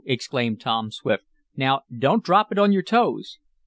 exclaimed Tom Swift. "Now don't drop it on your toes."